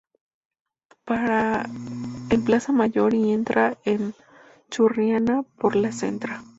Para en Plaza Mayor y entra a Churriana por la Ctra.